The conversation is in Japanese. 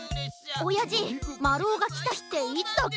おやじまるおがきたひっていつだっけ？